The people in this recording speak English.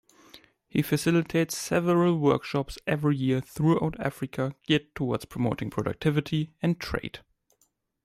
He facilitates several workshops every year throughout Africa geared towards promoting productivity and trade.